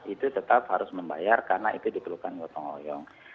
itu tetap harus membayar karena itu diperlukan gotong royong